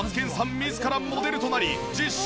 自らモデルとなり実証！